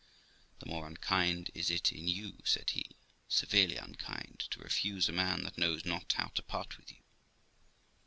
'The more unkind is it in you', said he, 'severely unkind, to refuse a man that knows not how to part with you.'